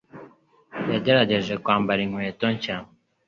Yagerageje kwambara inkweto nshya.